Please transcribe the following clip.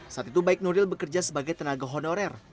saat itu baik nuril bekerja sebagai tenaga honorer